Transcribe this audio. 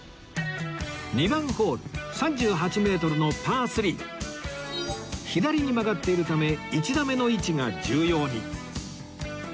２番ホール３８メートルのパー３左に曲がっているため１打目の位置が重要に